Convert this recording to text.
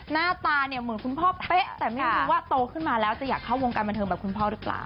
หน้าตาเนี่ยเหมือนคุณพ่อเป๊ะแต่ไม่รู้ว่าโตขึ้นมาแล้วจะอยากเข้าวงการบันเทิงแบบคุณพ่อหรือเปล่า